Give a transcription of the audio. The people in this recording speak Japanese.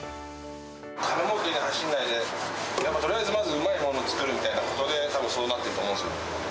金もうけに走らないで、やっぱとりあえずまず、うまいものを作るみたいな感じで、たぶんそうなってると思うんすよ。